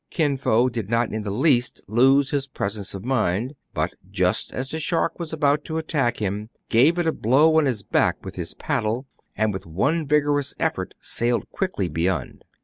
Kin Fo did not in the least lose his presence of mind, but, just as the shark was about to attack him, gave it a blow on his back with his paddle, and with one vigorous effort sailed quickly beyond.